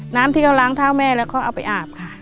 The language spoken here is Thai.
น้ำที่เขาล้างเท้าแม่แล้วเขาเอาไปอาบค่ะ